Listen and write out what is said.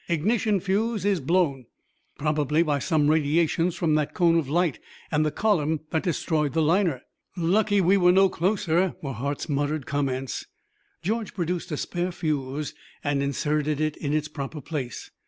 "Ignition fuse is blown." "Probably by some radiations from the cone of light and the column that destroyed the liner. Lucky we were no closer," were Hart's muttered comments. George produced a spare fuse and inserted it in its proper place.